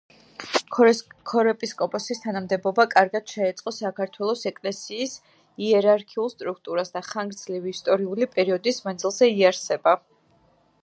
ქორეპისკოპოსის თანამდებობა კარგად შეეწყო საქართველოს ეკლესიის იერარქიულ სტრუქტურას და ხანგრძლივი ისტორიული პერიოდის მანძილზე იარსება.